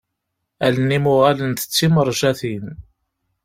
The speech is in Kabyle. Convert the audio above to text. Allen-im uɣalent d timerjatin.